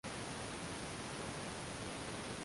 なるほどこりゃもっともだ